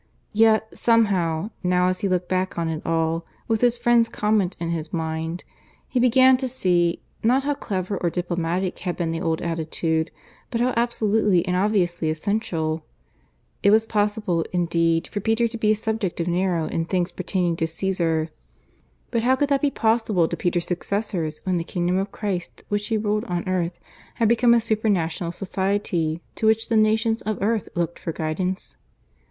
Yet, somehow, now as he looked back on it all, with his friend's comment in his mind, he began to see, not how clever or diplomatic had been the old attitude, but how absolutely and obviously essential. It was possible indeed for Peter to be a subject of Nero in things pertaining to Caesar; but how could that be possible to Peter's successor when the Kingdom of Christ which he ruled on earth had become a Supra national Society to which the nations of the earth looked for guidance?